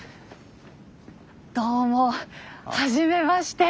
どうもはじめまして。